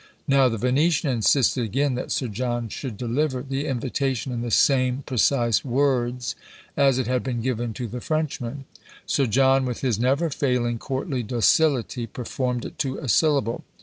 Now the Venetian insisted again that Sir John should deliver the invitation in the same precise words as it had been given to the Frenchman. Sir John, with his never failing courtly docility, performed it to a syllable.